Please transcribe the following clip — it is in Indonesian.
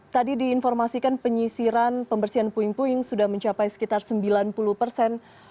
tadi diinformasikan penyisiran pembersihan puing puing sudah mencapai sekitar sembilan puluh persen